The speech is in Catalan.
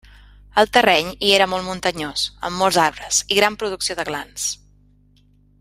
El terreny hi era molt muntanyós, amb molts arbres i gran producció de glans.